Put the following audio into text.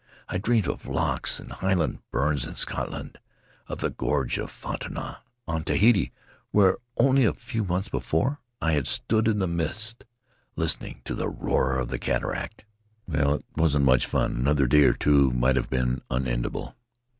I dreamed of locks and highland burns in Scotland; of the gorge of Fautaua on Tahiti, where only a few months before I had stood in the mist, listening to the roar of the cataract. "Well, it wasn't much fun — another day or two might have been unendurable.